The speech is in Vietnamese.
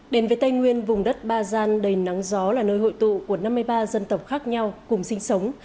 đến với tây nguyên vùng đất ba gian đầy nắng gió là nơi hội tụ của năm mươi ba dân tộc khác nhau cùng sinh sống